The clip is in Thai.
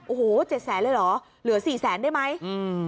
โอ้โหเจ็ดแสนเลยเหรอเหลือสี่แสนได้ไหมอืม